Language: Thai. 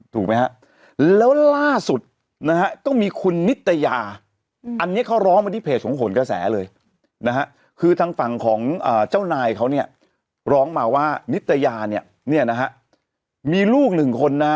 ถูกไหมฮะแล้วล่าสุดนะฮะก็มีคุณนิตยาอันนี้เขาร้องมาที่เพจของขนกระแสเลยนะฮะคือทางฝั่งของเจ้านายเขาเนี่ยร้องมาว่านิตยาเนี่ยเนี่ยนะฮะมีลูกหนึ่งคนนะฮะ